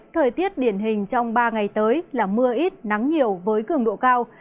thời tiết điển hình trong ba ngày tới là mưa ít nắng nhiều với cường độ cao